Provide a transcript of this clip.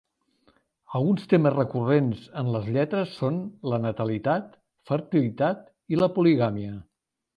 Alguns temes recurrents en les lletres són la natalitat, fertilitat i la poligàmia.